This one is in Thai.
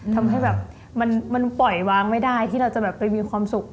ทำให้แบบมันปล่อยวางไม่ได้ที่เราจะแบบไปมีความสุข